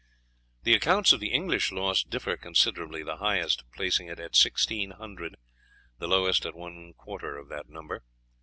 The accounts of the English loss differ considerably, the highest placing it at sixteen hundred, the lowest at one fourth of that number.